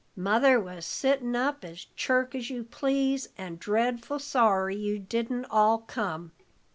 Mother was sittin' up as chirk as you please, and dreadful sorry you didn't all come."